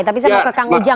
tapi saya mau ke kang ujang